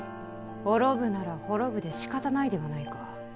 滅ぶなら滅ぶでしかたないではないか。